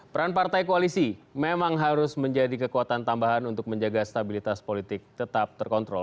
peran partai koalisi memang harus menjadi kekuatan tambahan untuk menjaga stabilitas politik tetap terkontrol